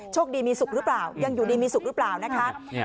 คดีมีสุขหรือเปล่ายังอยู่ดีมีสุขหรือเปล่านะคะ